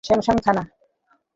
Samson, থাম!